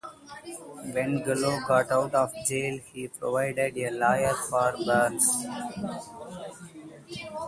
When Gallo got out of jail, he provided a lawyer for Barnes.